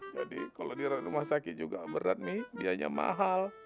jadi kalau di rumah sakit juga berat mi biayanya mahal